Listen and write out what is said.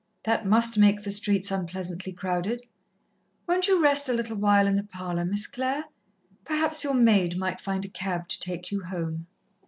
That must make the streets unpleasantly crowded. Won't you rest a little while in the parlour, Miss Clare? Perhaps your maid might find a cab to take you home."